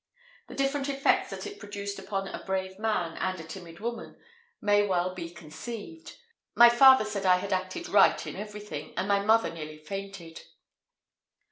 The different effects that it produced upon a brave man and a timid woman may well be conceived. My father said I had acted right in everything, and my mother nearly fainted.